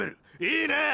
いいな！！